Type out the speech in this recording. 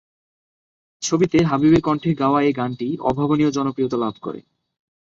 ছবিতে হাবিবের কণ্ঠে গাওয়া এই গানটি অভাবনীয় জনপ্রিয়তা লাভ করে।